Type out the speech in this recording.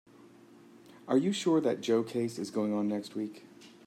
Are you sure that Joe case is going on next week?